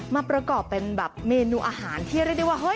มาประกอบเป็นแบบเมนูอาหารที่อะไรดีวะ